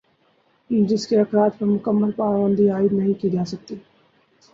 جس کے اخراج پر مکمل پابندی عائد نہیں کی جاسکتی